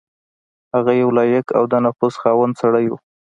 هغه یو لایق او د نفوذ خاوند سړی وو.